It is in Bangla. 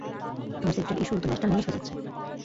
তোমার সেফটির ইস্যু তো ন্যাশনাল নিউজ হয়ে যাচ্ছে।